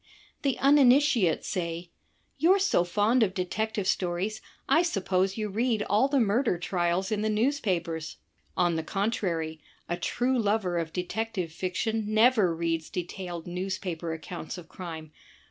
The uninitiate say, "You're so fond of detective stories, I su^ose you read all the murder trials in the newspapers." On the contrary, a true lover of detective fiction never reads detailed newspaper accoimts of crime.